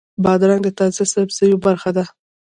بادرنګ د تازه سبزیو برخه ده.